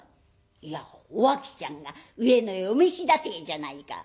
「いやお秋ちゃんが上野へお召しだてえじゃないか」。